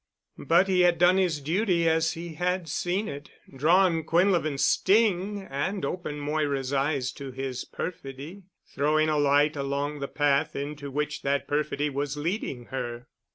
But he had done his duty as he had seen it, drawn Quinlevin's sting and opened Moira's eyes to his perfidy, throwing a light along the path into which that perfidy was leading her.